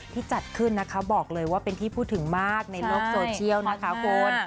จัดขึ้นนะคะบอกเลยว่าเป็นที่พูดถึงมากในโลกโซเชียลนะคะคุณ